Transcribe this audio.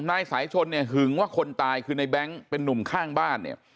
นายสายชนเนี่ยหึงว่าคนตายคือในแบงค์เป็นนุ่มข้างบ้านเนี่ย